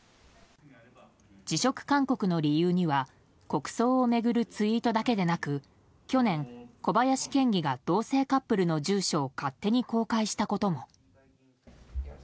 辞職勧告の理由には国葬を巡るツイートだけでなく去年、小林県議が同性カップルの住所を勝手に公開したことも。